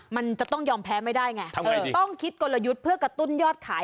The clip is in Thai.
มันจะต้องยอมแพ้ไม่ได้ไงต้องคิดกลยุทธ์เพื่อกระตุ้นยอดขาย